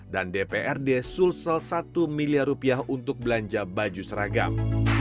dan dprd sulsel satu miliar rupiah untuk belanja baju seragam